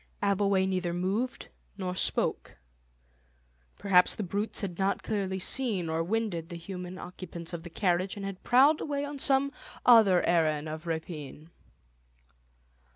Abbleway neither moved nor spoke. Perhaps the brutes had not clearly seen or winded the human occupants of the carriage, and had prowled away on some other errand of rapine.